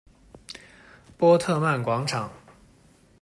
波特曼广场。